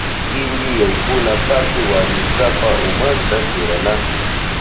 Inti yaykuna parti wañushkapa umanta churanahun.